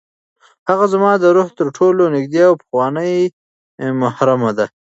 هغه زما د روح تر ټولو نږدې او پخوانۍ محرمه ده.